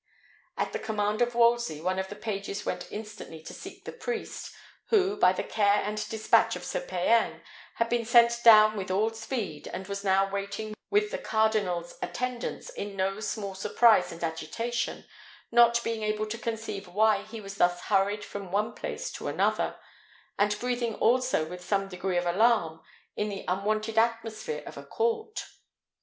At the command of Wolsey, one of the pages went instantly to seek the priest, who, by the care and despatch of Sir Payan, had been sent down with all speed, and was now waiting with the cardinal's attendants in no small surprise and agitation, not being able to conceive why he was thus hurried from one place to another, and breathing also with some degree of alarm in the unwonted atmosphere of a court.